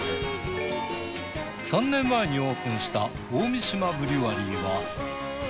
３年前にオープンした大三島ブリュワリーは。